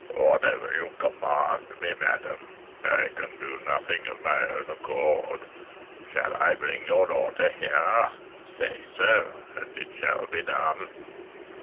"Whatever you command me, madam. I can, do nothing of my own accord. Shall I bring your daughter here? Say so, and it shall be done."